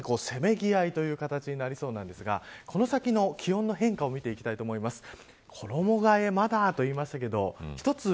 まさにせめぎ合いという形になりそうなんですがこの先の気温の変化を見ていきたいと思います。